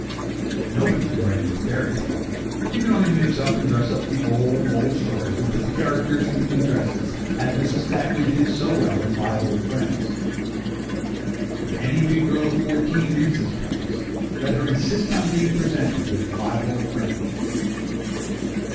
Nobody can write a new fairy tale; you can only mix up and dress up the old, old stories, and put the characters into new dresses, as Miss Thackeray did so well in 'Five Old Friends.' If any big girl of fourteen reads this preface, let her insist on being presented with 'Five Old Friends.